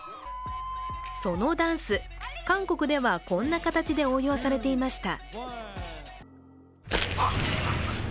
そのダンス、韓国ではこんな形で応用されていました。